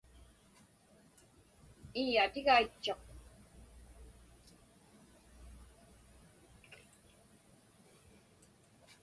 Ii, atigaitchuq.